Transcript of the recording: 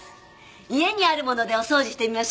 家にあるものでお掃除してみましょう。